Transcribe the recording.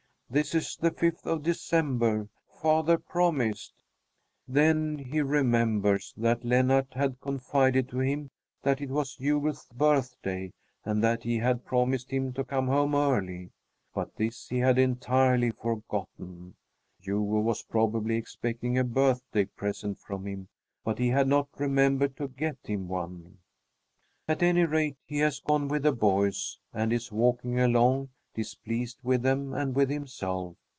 "This is the fifth of December. Father promised " Then he remembers that Lennart had confided to him that it was Hugo's birthday and that he had promised him to come home early. But this he had entirely forgotten. Hugo was probably expecting a birthday present from him, but he had not remembered to get him one. At any rate, he has gone with the boys and is walking along, displeased with them and with himself.